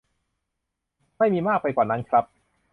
ไม่มีมากไปกว่านั้น ครับ